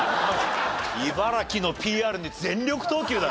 茨城のＰＲに全力投球だな。